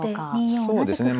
そうですね。